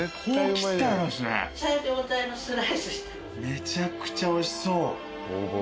めちゃくちゃおいしそう。